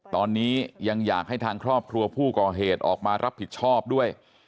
ตอนนี้ยังอยากให้ทางครอบครัวผู้ก่อเหตุออกมารับผิดชอบด้วย